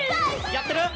やってる？